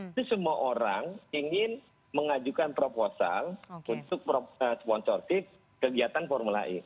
itu semua orang ingin mengajukan proposal untuk sponsorship kegiatan formula e